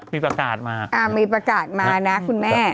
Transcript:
มีประกาศมามีประกาศมานะคุณแม่